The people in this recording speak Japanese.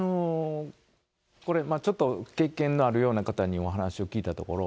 ちょっと経験のあるような方にお話を聞いたところ、